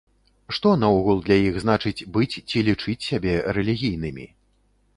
Што наогул для іх значыць быць ці лічыць сябе рэлігійнымі?